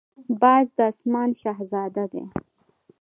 باز د آسمان شهزاده دی